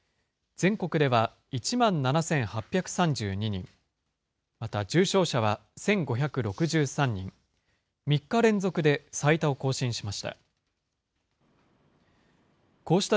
全国では１万７８３２人、また重症者は１５６３人、３日連続で最多を更新しました。